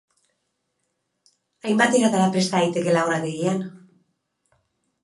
Hainbat eratara presta daiteke laborategian.